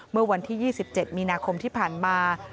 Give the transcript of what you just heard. เมื่อวันที่๒๗มีนาคมที่ผ่านมา